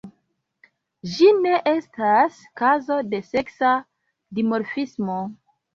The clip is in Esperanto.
Ĝi ne estas kazo de seksa dimorfismo.